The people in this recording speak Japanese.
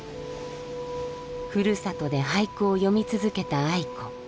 ふるさとで俳句を詠み続けた愛子。